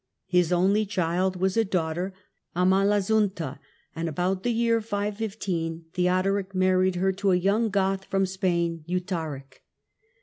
His only child was a daughter, Lmalasuentha, and about the year 515 Theodoric married er to a young Goth from Spain, Eutharic.